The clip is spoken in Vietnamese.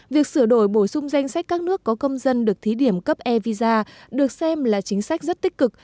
việc sửa đổi bổ sung danh sách các nước có công dân được thí điểm cấp e visa được xem là chính sách rất tích cực